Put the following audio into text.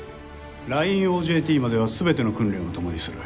ラインＯＪＴまでは全ての訓練を共にする。